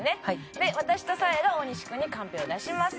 で私とサーヤが大西君にカンペを出します。